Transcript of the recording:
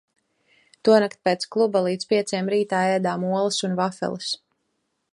Tonakt pēc kluba līdz pieciem rītā ēdām olas un vafeles.